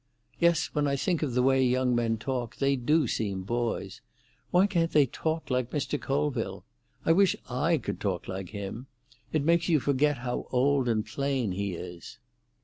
Yes, when I think of the way young men talk, they do seem boys. Why can't they talk like Mr. Colville? I wish I could talk like him. It makes you forget how old and plain he is."